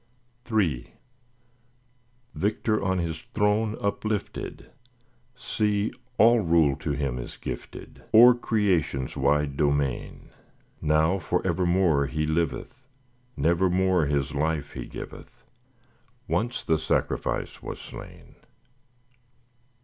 III Victor on His throne uplifted, See all rule to Him is gifted, O'er Creation's wide domain. Now for evermore He liveth, Nevermore His life He giveth— Once the sacrifice was slain.